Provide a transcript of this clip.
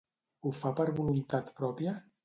Ho fa per voluntat pròpia?